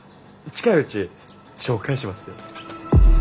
近いうち紹介しますよ。